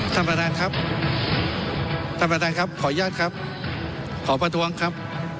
ท่านประธานครับท่านประธานครับขออนุญาตครับขอประท้วงครับ